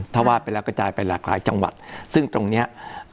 ถ้าว่าไปแล้วกระจายไปหลากหลายจังหวัดซึ่งตรงเนี้ย